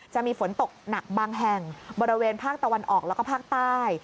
จะมีฝนตกหนักบางแห่งบริเวณภาคตะวันออกแล้วก็ภาคใต้